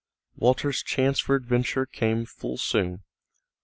Walter's chance for adventure came full soon.